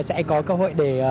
sẽ có cơ hội để